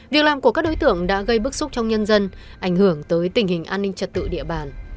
việc làm của các đối tượng đã gây bức xúc trong nhân dân ảnh hưởng tới tình hình an ninh trật tự địa bàn